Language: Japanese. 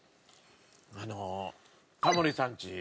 あのタモリさんち。